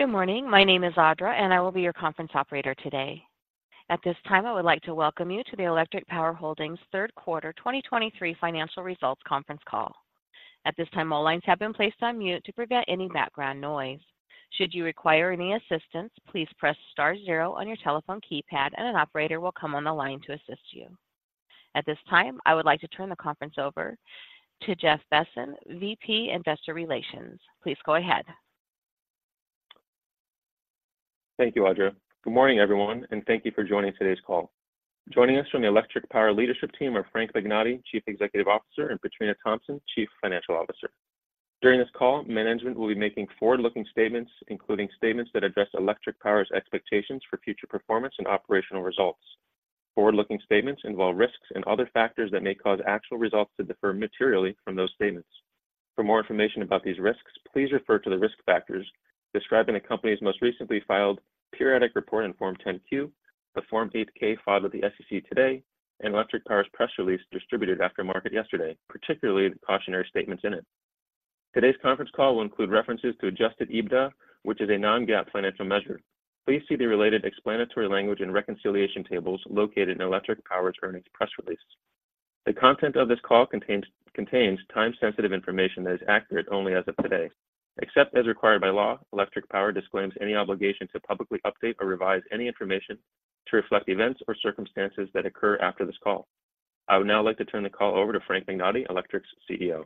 Good morning, my name is Audra, and I will be your conference operator today. At this time, I would like to welcome you to the Electriq Power Holdings third quarter 2023 financial results conference call. At this time, all lines have been placed on mute to prevent any background noise. Should you require any assistance, please press star zero on your telephone keypad, and an operator will come on the line to assist you. At this time, I would like to turn the conference over to Jeff Besen, VP, Investor Relations. Please go ahead. Thank you, Audra. Good morning, everyone, and thank you for joining today's call. Joining us from the Electriq Power leadership team are Frank Magnotti, Chief Executive Officer; and Petrina Thomson, Chief Financial Officer. During this call, management will be making forward-looking statements, including statements that address Electriq Power's expectations for future performance and operational results. Forward-looking statements involve risks and other factors that may cause actual results to differ materially from those statements. For more information about these risks, please refer to the risk factors described in the company's most recently filed periodic report on Form 10-Q, the Form 8-K filed with the SEC today, and Electriq Power's press release distributed after market yesterday, particularly the cautionary statements in it. Today's conference call will include references to Adjusted EBITDA, which is a non-GAAP financial measure. Please see the related explanatory language and reconciliation tables located in Electriq Power's earnings press release. The content of this call contains time-sensitive information that is accurate only as of today. Except as required by law, Electriq Power disclaims any obligation to publicly update or revise any information to reflect events or circumstances that occur after this call. I would now like to turn the call over to Frank Magnotti, Electriq's CEO.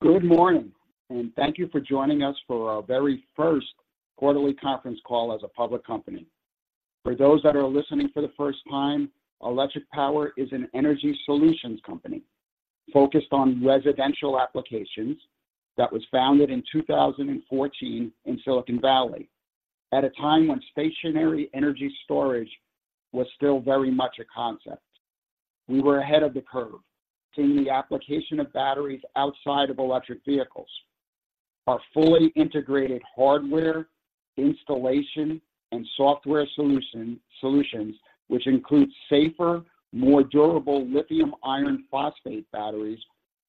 Good morning, and thank you for joining us for our very first quarterly conference call as a public company. For those that are listening for the first time, Electriq Power is an energy solutions company focused on residential applications that was founded in 2014 in Silicon Valley. At a time when stationary energy storage was still very much a concept, we were ahead of the curve, seeing the application of batteries outside of electric vehicles. Our fully integrated hardware, installation, and software solution, solutions, which include safer, more durable lithium iron phosphate batteries,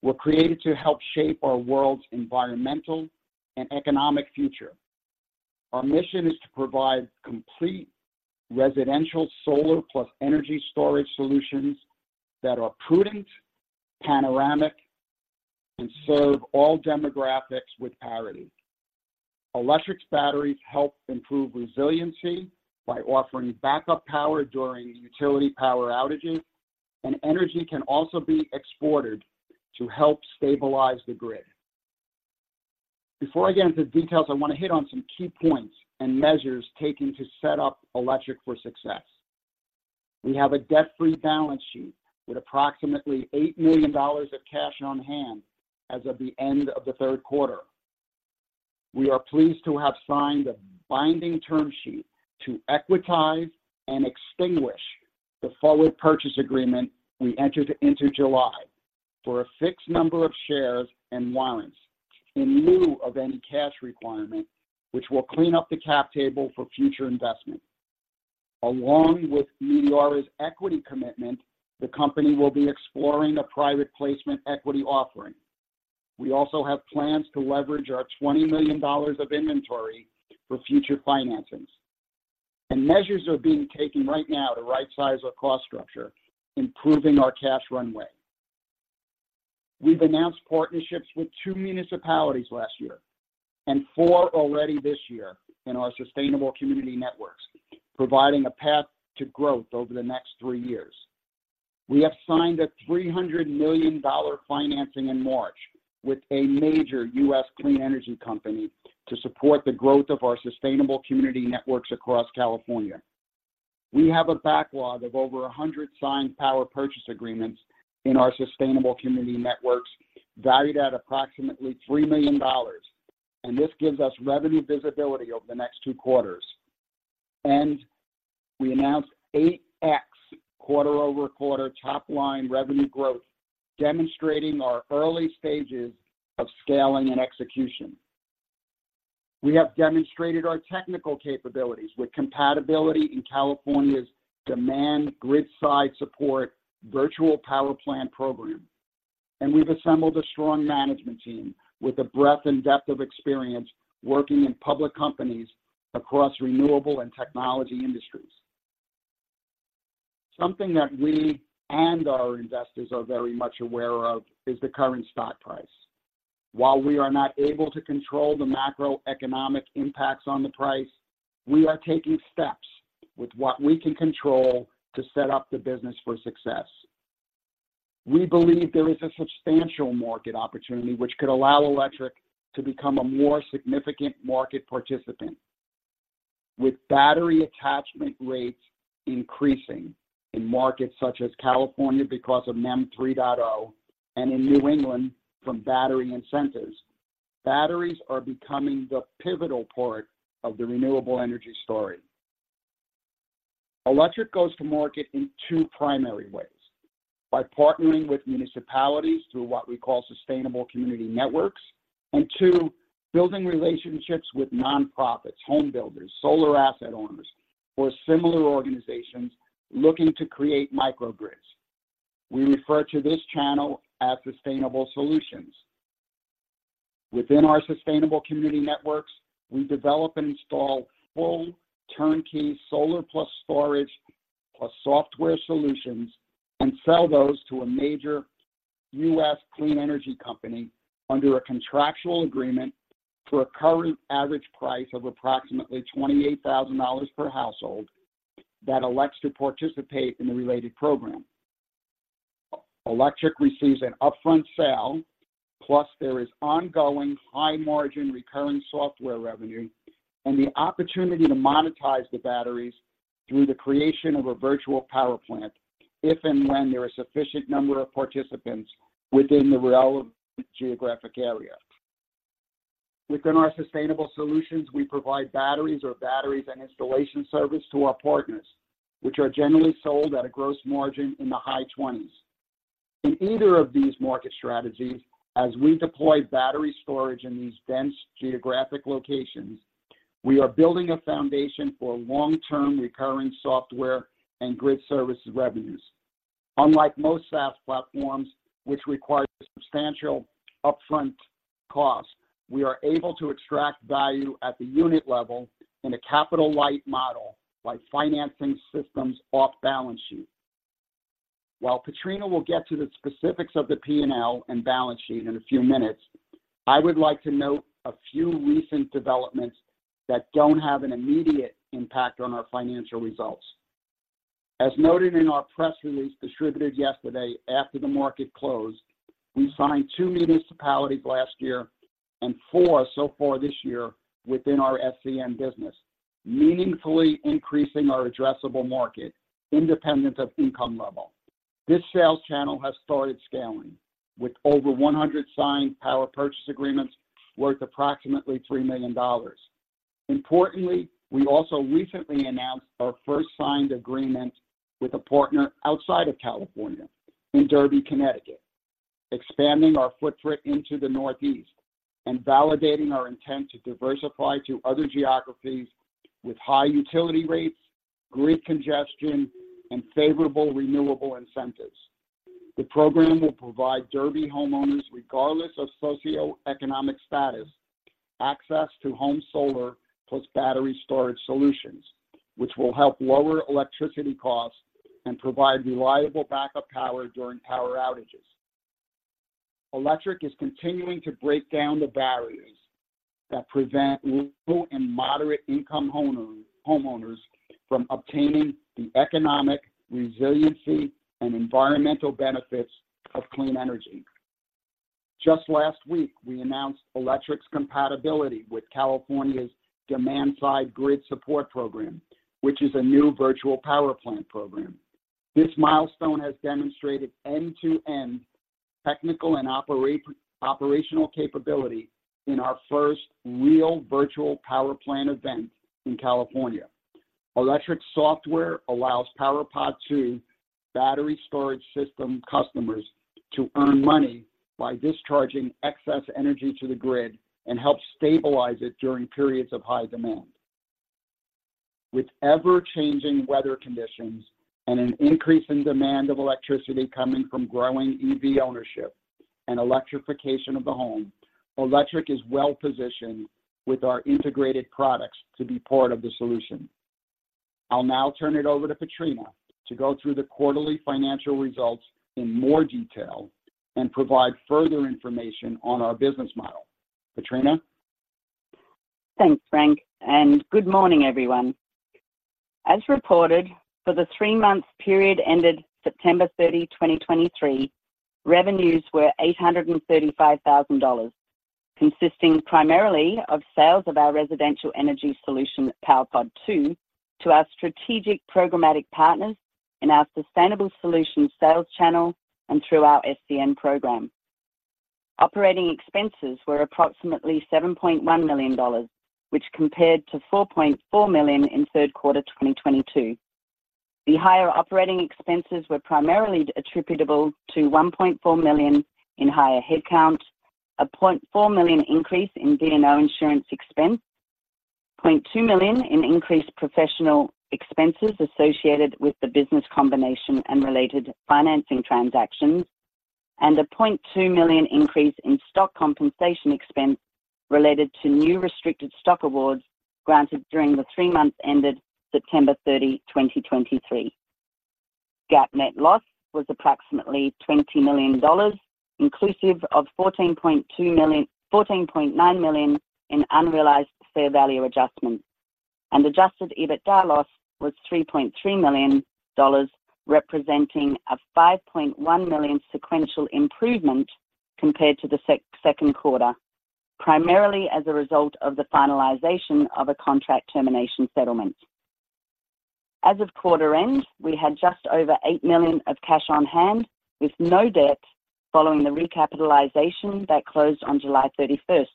were created to help shape our world's environmental and economic future. Our mission is to provide complete residential solar plus energy storage solutions that are prudent, panoramic, and serve all demographics with parity. Electriq's batteries help improve resiliency by offering backup power during utility power outages, and energy can also be exported to help stabilize the grid. Before I get into the details, I want to hit on some key points and measures taken to set up Electriq for success. We have a debt-free balance sheet with approximately $8 million of cash on hand as of the end of the third quarter. We are pleased to have signed a binding term sheet to equitize and extinguish the Forward Purchase Agreement we entered into July for a fixed number of shares and warrants in lieu of any cash requirement, which will clean up the cap table for future investment. Along with Meteora's equity commitment, the company will be exploring a private placement equity offering. We also have plans to leverage our $20 million of inventory for future financings. Measures are being taken right now to rightsize our cost structure, improving our cash runway. We've announced partnerships with two municipalities last year and four already this year in our Sustainable Community Networks, providing a path to growth over the next three years. We have signed a $300 million financing in March with a major U.S. clean energy company to support the growth of our Sustainable Community Networks across California. We have a backlog of over 100 signed Power Purchase Agreements in our Sustainable Community Networks, valued at approximately $3 million, and this gives us revenue visibility over the next two quarters. We announced 8x quarter-over-quarter top-line revenue growth, demonstrating our early stages of scaling and execution. We have demonstrated our technical capabilities with compatibility in California's Demand Side Grid Support Virtual Power Plant program, and we've assembled a strong management team with the breadth and depth of experience working in public companies across renewable and technology industries. Something that we and our investors are very much aware of is the current stock price. While we are not able to control the macroeconomic impacts on the price, we are taking steps with what we can control to set up the business for success. We believe there is a substantial market opportunity which could allow Electriq to become a more significant market participant. With battery attachment rates increasing in markets such as California because of NEM 3.0 and in New England from battery incentives, batteries are becoming the pivotal part of the renewable energy story. Electriq goes to market in two primary ways: by partnering with municipalities through what we call Sustainable Community Networks, and two, building relationships with nonprofits, home builders, solar asset owners, or similar organizations looking to create microgrids... We refer to this channel as Sustainable Solutions. Within our Sustainable Community Networks, we develop and install full turnkey solar plus storage plus software solutions and sell those to a major U.S. clean energy company under a contractual agreement for a current average price of approximately $28,000 per household that elects to participate in the related program. Electriq receives an upfront sale, plus there is ongoing high-margin recurring software revenue and the opportunity to monetize the batteries through the creation of a Virtual Power Plant, if and when there are sufficient number of participants within the relevant geographic area. Within our sustainable solutions, we provide batteries or batteries and installation service to our partners, which are generally sold at a gross margin in the high twenties. In either of these market strategies, as we deploy battery storage in these dense geographic locations, we are building a foundation for long-term recurring software and grid services revenues. Unlike most SaaS platforms, which require substantial upfront costs, we are able to extract value at the unit level in a capital-light model by financing systems off balance sheet. While Petrina will get to the specifics of the P&L and balance sheet in a few minutes, I would like to note a few recent developments that don't have an immediate impact on our financial results. As noted in our press release distributed yesterday after the market closed, we signed two municipalities last year and four so far this year within our SCN business, meaningfully increasing our addressable market independent of income level. This sales channel has started scaling, with over 100 signed power purchase agreements worth approximately $3 million. Importantly, we also recently announced our first signed agreement with a partner outside of California in Derby, Connecticut, expanding our footprint into the Northeast and validating our intent to diversify to other geographies with high utility rates, grid congestion, and favorable renewable incentives. The program will provide Derby homeowners, regardless of socioeconomic status, access to home solar plus battery storage solutions, which will help lower electricity costs and provide reliable backup power during power outages. Electriq is continuing to break down the barriers that prevent low- and moderate-income homeowners from obtaining the economic resiliency and environmental benefits of clean energy. Just last week, we announced Electriq's compatibility with California's Demand Side Grid Support Program, which is a new Virtual Power Plant program. This milestone has demonstrated end-to-end technical and operational capability in our first real Virtual Power Plant event in California. Electriq software allows PowerPod 2 battery storage system customers to earn money by discharging excess energy to the grid and help stabilize it during periods of high demand. With ever-changing weather conditions and an increase in demand of electricity coming from growing EV ownership and electrification of the home, Electriq is well positioned with our integrated products to be part of the solution. I'll now turn it over to Petrina to go through the quarterly financial results in more detail and provide further information on our business model. Petrina? Thanks, Frank, and good morning, everyone. As reported, for the three-month period ended September 30, 2023, revenues were $835,000, consisting primarily of sales of our residential energy solution, PowerPod 2, to our strategic programmatic partners in our Sustainable Solutions sales channel and through our SCN program. Operating expenses were approximately $7.1 million, which compared to $4.4 million in third quarter 2022. The higher operating expenses were primarily attributable to $1.4 million in higher headcount, a $0.4 million increase in D&O insurance expense, $0.2 million in increased professional expenses associated with the business combination and related financing transactions, and a $0.2 million increase in stock compensation expense related to new restricted stock awards granted during the three months ended September 30, 2023. GAAP net loss was approximately $20 million, inclusive of $14.2 million-$14.9 million in unrealized fair value adjustments, and adjusted EBITDA loss was $3.3 million, representing a $5.1 million sequential improvement compared to the second quarter, primarily as a result of the finalization of a contract termination settlement. As of quarter end, we had just over $8 million of cash on hand, with no debt following the recapitalization that closed on July 31.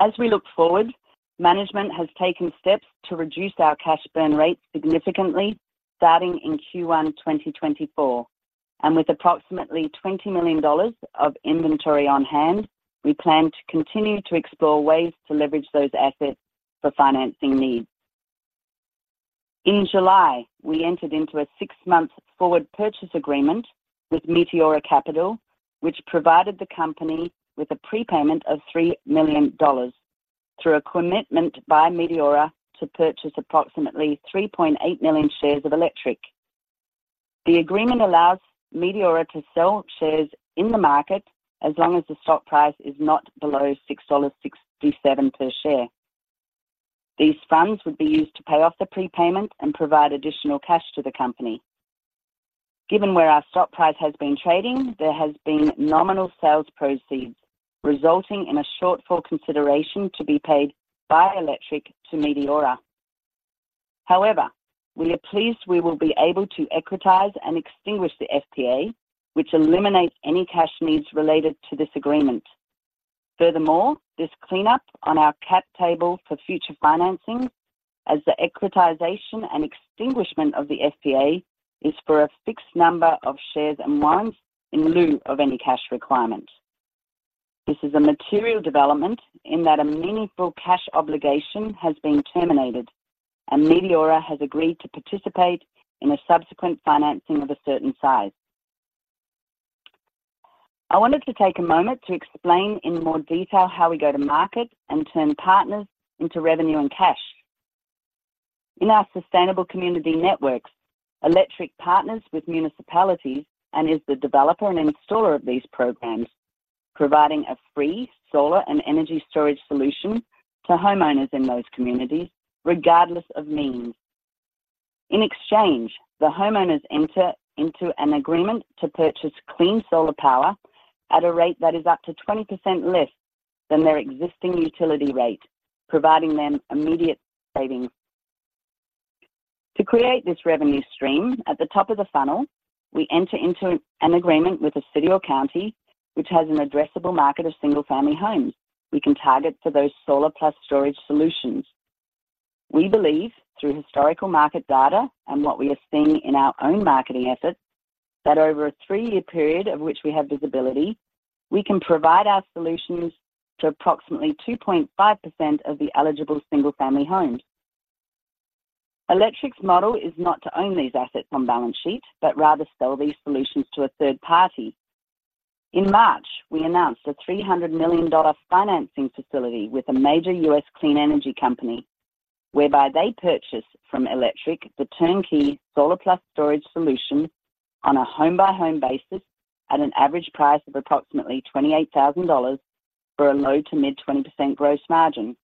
As we look forward, management has taken steps to reduce our cash burn rate significantly, starting in Q1 2024.... And with approximately $20 million of inventory on hand, we plan to continue to explore ways to leverage those assets for financing needs. In July, we entered into a six-month forward purchase agreement with Meteora Capital, which provided the company with a prepayment of $3 million through a commitment by Meteora to purchase approximately 3.8 million shares of Electriq. The agreement allows Meteora to sell shares in the market as long as the stock price is not below $6.67 per share. These funds would be used to pay off the prepayment and provide additional cash to the company. Given where our stock price has been trading, there has been nominal sales proceeds, resulting in a shortfall consideration to be paid by Electriq to Meteora. However, we are pleased we will be able to equitize and extinguish the FPA, which eliminates any cash needs related to this agreement. Furthermore, this cleanup on our cap table for future financing as the equitization and extinguishment of the FPA is for a fixed number of shares and warrants in lieu of any cash requirement. This is a material development in that a meaningful cash obligation has been terminated, and Meteora has agreed to participate in a subsequent financing of a certain size. I wanted to take a moment to explain in more detail how we go to market and turn partners into revenue and cash. In our Sustainable Community Networks, Electriq partners with municipalities and is the developer and installer of these programs, providing a free solar and energy storage solution to homeowners in those communities, regardless of means. In exchange, the homeowners enter into an agreement to purchase clean solar power at a rate that is up to 20% less than their existing utility rate, providing them immediate savings. To create this revenue stream, at the top of the funnel, we enter into an agreement with a city or county, which has an addressable market of single-family homes we can target for those solar plus storage solutions. We believe, through historical market data and what we are seeing in our own marketing efforts, that over a three year period of which we have visibility, we can provide our solutions to approximately 2.5% of the eligible single-family homes. Electriq's model is not to own these assets on balance sheet, but rather sell these solutions to a third party. In March, we announced a $300 million financing facility with a major U.S. clean energy company, whereby they purchase from Electriq the turnkey solar plus storage solution on a home-by-home basis at an average price of approximately $28,000 for a low to mid 20% gross margin.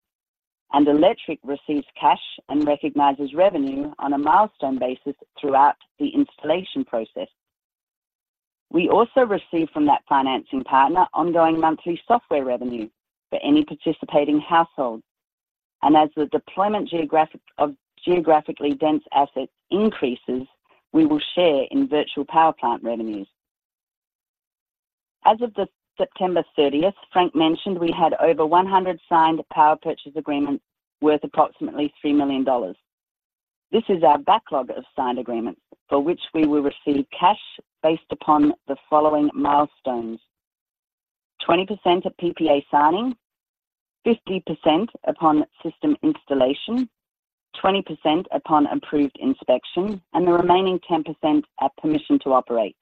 Electriq receives cash and recognizes revenue on a milestone basis throughout the installation process. We also receive from that financing partner, ongoing monthly software revenue for any participating household, and as the deployment of geographically dense assets increases, we will share in virtual power plant revenues. As of the September 30th, Frank mentioned we had over 100 signed power purchase agreements worth approximately $3 million. This is our backlog of signed agreements for which we will receive cash based upon the following milestones: 20% of PPA signing, 50% upon system installation, 20% upon approved inspection, and the remaining 10% at permission to operate.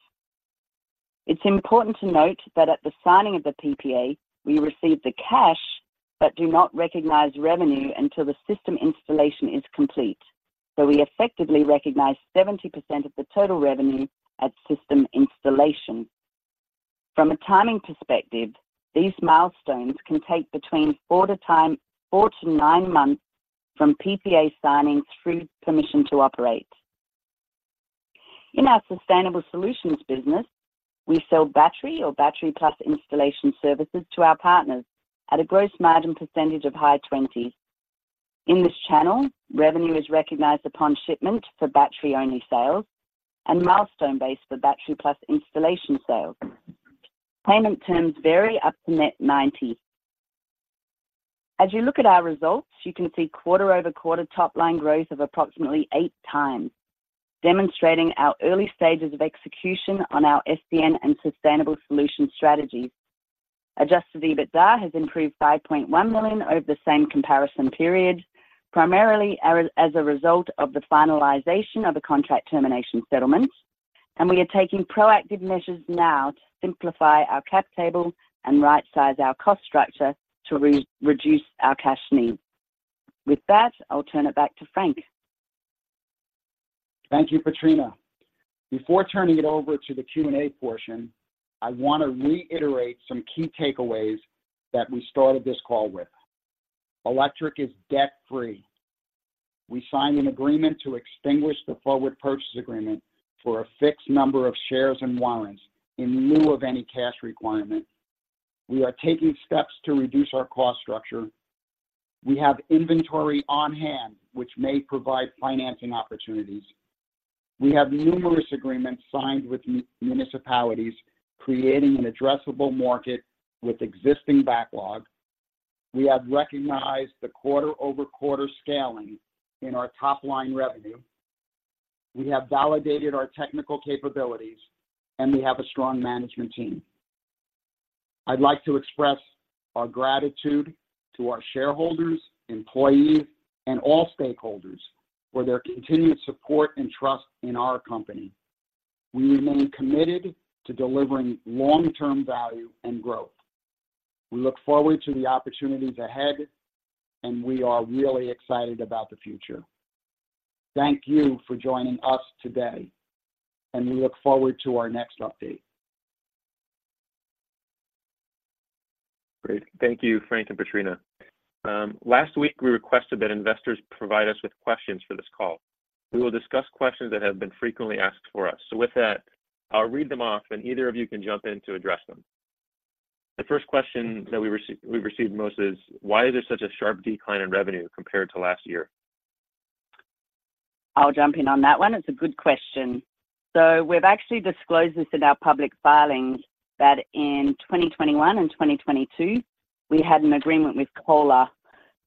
It's important to note that at the signing of the PPA, we receive the cash but do not recognize revenue until the system installation is complete. So we effectively recognize 70% of the total revenue at system installation. From a timing perspective, these milestones can take between four to nine months from PPA signings through permission to operate. In our sustainable solutions business, we sell battery or battery plus installation services to our partners at a gross margin percentage of high 20s%. In this channel, revenue is recognized upon shipment for battery-only sales and milestone-based for battery plus installation sales. Payment terms vary up to net 90. As you look at our results, you can see quarter-over-quarter top-line growth of approximately 8x, demonstrating our early stages of execution on our SCN and sustainable solutions strategies. Adjusted EBITDA has improved $5.1 million over the same comparison period, primarily as a result of the finalization of the contract termination settlements. We are taking proactive measures now to simplify our cap table and right-size our cost structure to reduce our cash needs. With that, I'll turn it back to Frank. Thank you, Petrina. Before turning it over to the Q&A portion, I want to reiterate some key takeaways that we started this call with. Electriq is debt free. We signed an agreement to extinguish the forward purchase agreement for a fixed number of shares and warrants in lieu of any cash requirement. We are taking steps to reduce our cost structure. We have inventory on hand which may provide financing opportunities. We have numerous agreements signed with municipalities, creating an addressable market with existing backlog. We have recognized the quarter-over-quarter scaling in our top-line revenue. We have validated our technical capabilities, and we have a strong management team. I'd like to express our gratitude to our shareholders, employees, and all stakeholders for their continued support and trust in our company. We remain committed to delivering long-term value and growth. We look forward to the opportunities ahead, and we are really excited about the future. Thank you for joining us today, and we look forward to our next update. Great. Thank you, Frank and Petrina. Last week, we requested that investors provide us with questions for this call. We will discuss questions that have been frequently asked for us. So with that, I'll read them off, and either of you can jump in to address them. The first question that we've received most is: Why is there such a sharp decline in revenue compared to last year? I'll jump in on that one. It's a good question. So we've actually disclosed this in our public filings that in 2021 and 2022, we had an agreement with Kohler,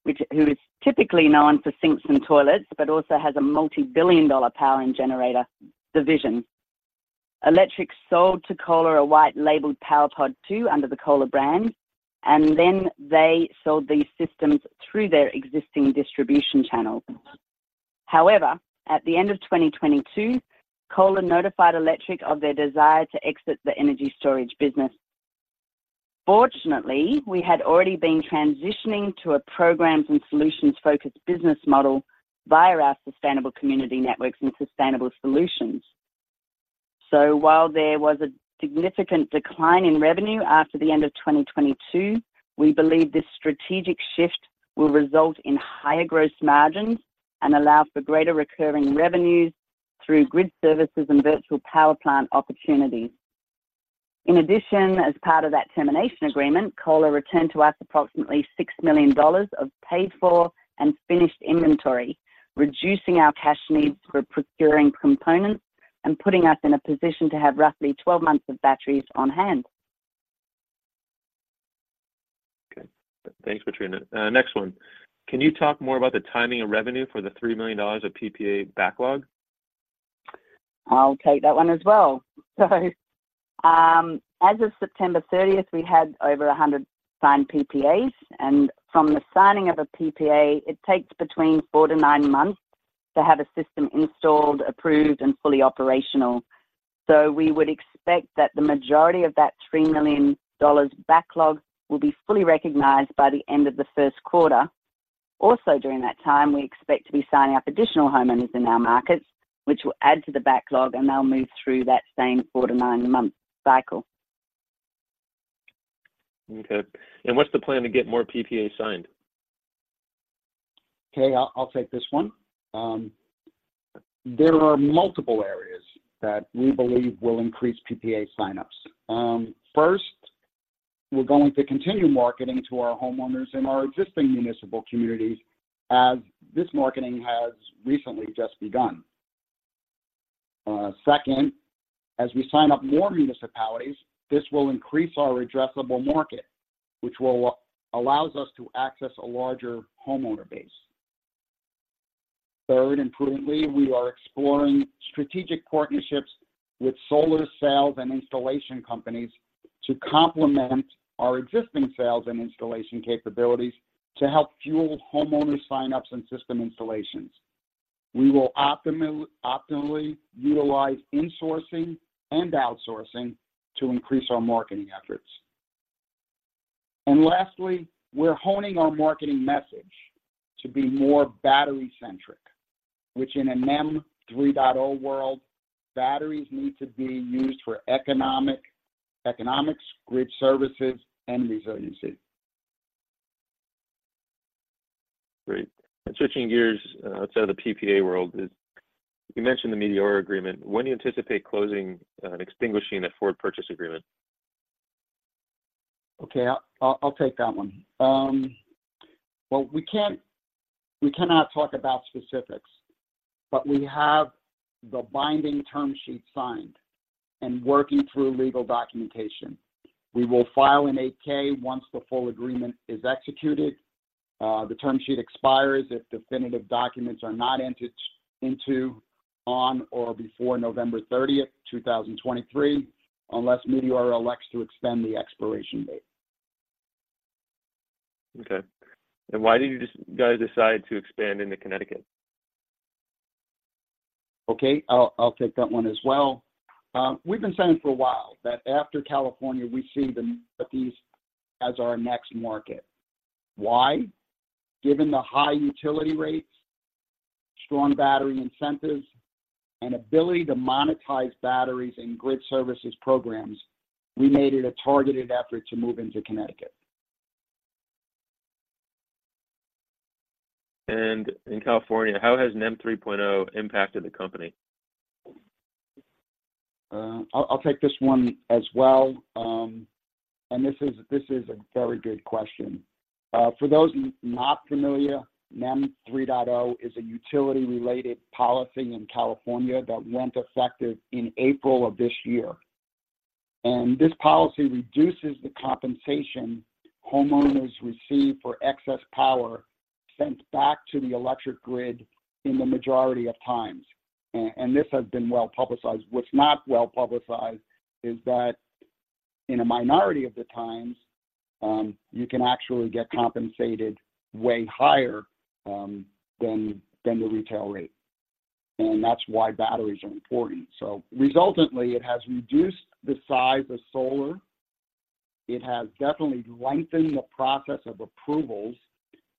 who is typically known for sinks and toilets, but also has a multi-billion-dollar power and generator division. Electriq sold to Kohler a white labeled PowerPod 2 under the Kohler brand, and then they sold these systems through their existing distribution channels. However, at the end of 2022, Kohler notified Electriq of their desire to exit the energy storage business. Fortunately, we had already been transitioning to a programs and solutions-focused business model via our Sustainable Community Networks and Sustainable Solutions. So while there was a significant decline in revenue after the end of 2022, we believe this strategic shift will result in higher gross margins and allow for greater recurring revenues through grid services and virtual power plant opportunities. In addition, as part of that termination agreement, Kohler returned to us approximately $6 million of paid-for and finished inventory, reducing our cash needs for procuring components and putting us in a position to have roughly 12 months of batteries on hand. Okay. Thanks, Petrina. Next one. Can you talk more about the timing of revenue for the $3 million of PPA backlog? I'll take that one as well. So, as of September 30th, we had over 100 signed PPAs, and from the signing of a PPA, it takes between four to nine months to have a system installed, approved, and fully operational. So we would expect that the majority of that $3 million backlog will be fully recognized by the end of the first quarter. Also, during that time, we expect to be signing up additional homeowners in our markets, which will add to the backlog, and they'll move through that same 4-9-month cycle. Okay. And what's the plan to get more PPAs signed? Okay, I'll take this one. There are multiple areas that we believe will increase PPA sign-ups. First, we're going to continue marketing to our homeowners in our existing municipal communities, as this marketing has recently just begun. Second, as we sign up more municipalities, this will increase our addressable market, which will allow us to access a larger homeowner base. Third, and currently, we are exploring strategic partnerships with solar sales and installation companies to complement our existing sales and installation capabilities to help fuel homeowner sign-ups and system installations. We will optimally utilize insourcing and outsourcing to increase our marketing efforts. And lastly, we're honing our marketing message to be more battery-centric, which in a NEM 3.0 world, batteries need to be used for economics, grid services, and resiliency. Great. Switching gears, outside of the PPA world is... You mentioned the Meteora agreement. When do you anticipate closing and extinguishing that forward purchase agreement? Okay, I'll take that one. Well, we cannot talk about specifics, but we have the binding term sheet signed and working through legal documentation. We will file an 8-K once the full agreement is executed. The term sheet expires if definitive documents are not entered into on or before November 30th, 2023, unless Meteora elects to extend the expiration date. Okay. And why did you guys decide to expand into Connecticut? Okay, I'll take that one as well. We've been saying for a while that after California, we see the Northeast as our next market. Why? Given the high utility rates, strong battery incentives, and ability to monetize batteries and grid services programs, we made it a targeted effort to move into Connecticut. In California, how has NEM 3.0 impacted the company? I'll take this one as well. And this is a very good question. For those not familiar, NEM 3.0 is a utility-related policy in California that went effective in April of this year. And this policy reduces the compensation homeowners receive for excess power sent back to the electric grid in the majority of times, and this has been well-publicized. What's not well-publicized is that in a minority of the times, you can actually get compensated way higher than the retail rate, and that's why batteries are important. So resultantly, it has reduced the size of solar. It has definitely lengthened the process of approvals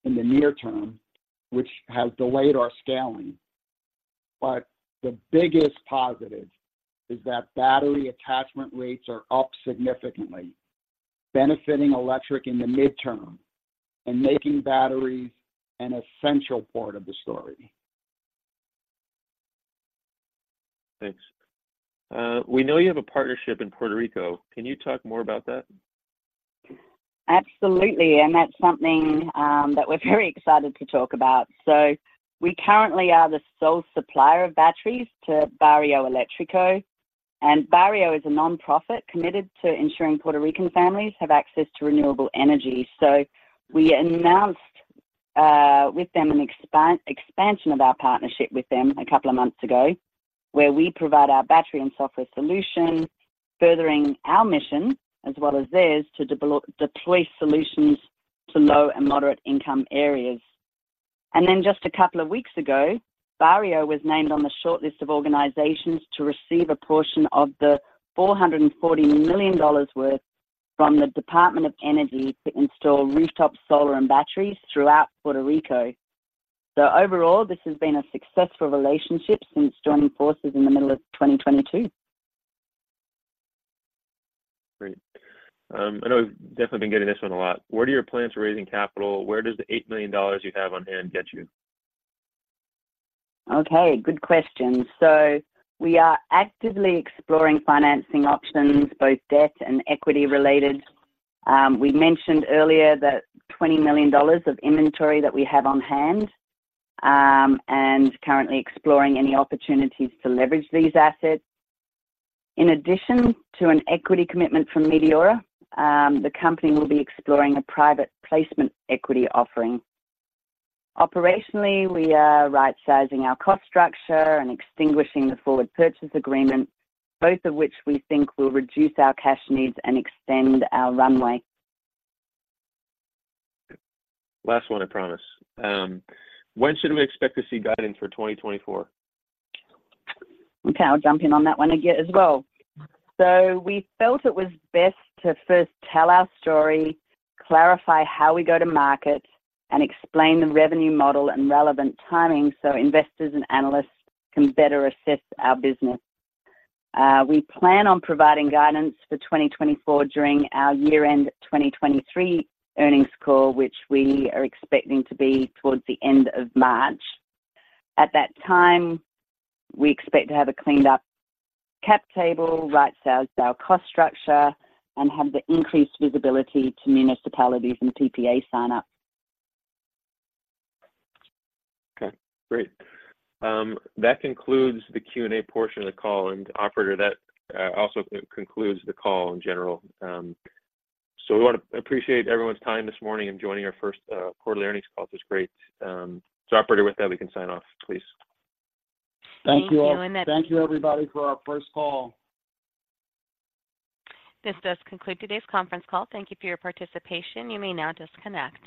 in the near term, which has delayed our scaling. But the biggest positive is that battery attachment rates are up significantly, benefiting Electriq in the midterm and making batteries an essential part of the story. Thanks. We know you have a partnership in Puerto Rico. Can you talk more about that? Absolutely, and that's something that we're very excited to talk about. So we currently are the sole supplier of batteries to Barrio Eléctrico, and Barrio is a nonprofit committed to ensuring Puerto Rican families have access to renewable energy. So we announced with them an expansion of our partnership with them a couple of months ago, where we provide our battery and software solution, furthering our mission, as well as theirs, to deploy solutions to low and moderate income areas. And then, just a couple of weeks ago, Barrio was named on the shortlist of organizations to receive a portion of the $440 million from the Department of Energy to install rooftop solar and batteries throughout Puerto Rico. So overall, this has been a successful relationship since joining forces in the middle of 2022. Great. I know we've definitely been getting this one a lot. What are your plans for raising capital? Where does the $8 million you have on hand get you? Okay, good question. So we are actively exploring financing options, both debt and equity related. We mentioned earlier the $20 million of inventory that we have on hand, and currently exploring any opportunities to leverage these assets. In addition to an equity commitment from Meteora, the company will be exploring a private placement equity offering. Operationally, we are right-sizing our cost structure and extinguishing the Forward Purchase Agreement, both of which we think will reduce our cash needs and extend our runway. Last one, I promise. When should we expect to see guidance for 2024? Okay, I'll jump in on that one again as well. So we felt it was best to first tell our story, clarify how we go to market, and explain the revenue model and relevant timing so investors and analysts can better assess our business. We plan on providing guidance for 2024 during our year-end 2023 earnings call, which we are expecting to be towards the end of March. At that time, we expect to have a cleaned up cap table, right-sized our cost structure, and have the increased visibility to municipalities and PPA sign-ups. Okay, great. That concludes the Q&A portion of the call, and operator, that also concludes the call in general. We want to appreciate everyone's time this morning in joining our first quarterly earnings call. It's great. Operator, with that, we can sign off, please. Thank you. Thank you, all. Thank you, everybody, for our first call. This does conclude today's conference call. Thank you for your participation. You may now disconnect.